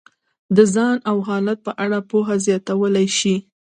د ځان او حالت په اړه پوهه زیاتولی شي.